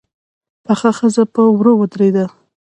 پخه ښځه په وره ودرېده.